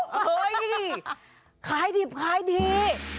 เฮ้ยขายดิบขายดี